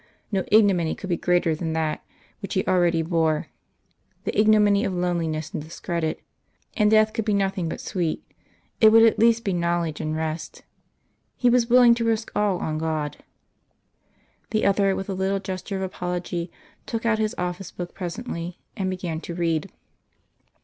No ignominy could be greater than that which he already bore the ignominy of loneliness and discredit. And death could be nothing but sweet it would at least be knowledge and rest. He was willing to risk all on God. The other, with a little gesture of apology, took out his office book presently, and began to read.